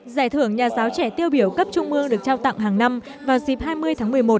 giải thưởng nhà giáo trẻ tiêu biểu cấp trung ương được trao tặng hàng năm vào dịp hai mươi tháng một mươi một